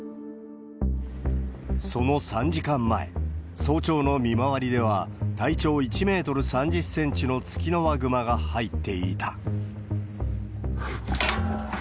その３時間前、早朝の見回りでは、体長１メートル３０センチのツキノワグマが入っていた。